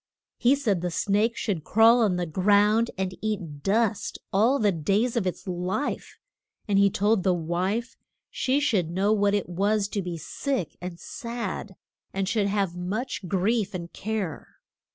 He said the snake should crawl on the ground and eat dust all the days of its life; and he told the wife she should know what it was to be sick and sad, and should have much grief and care.